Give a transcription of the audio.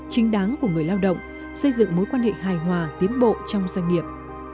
chính đáng của người lao động xây dựng mối quan hệ hài hòa tiến bộ trong doanh nghiệp